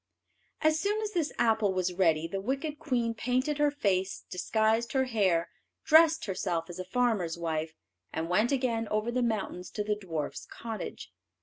As soon as this apple was ready, the wicked queen painted her face, disguised her hair, dressed herself as a farmer's wife, and went again over the mountains to the dwarfs' cottage.